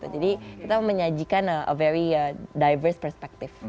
jadi kita menyajikan a very diverse perspective